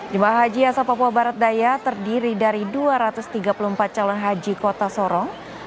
jemaah haji asal papua barat daya terdiri dari dua ratus tiga puluh empat calon haji kota sorong